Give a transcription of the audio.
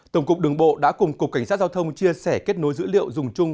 tổng cục đường bộ đã cùng cục cảnh sát giao thông chia sẻ kết nối dữ liệu dùng chung